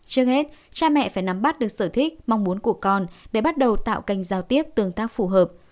trước hết cha mẹ phải nắm bắt được sở thích mong muốn của con để bắt đầu tạo kênh giao tiếp tương tác phù hợp